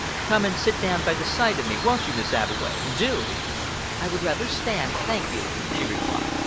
Come and sit down by the side of me, won't you, Miss Abbeway? Do!" "I would rather stand, thank you," she replied.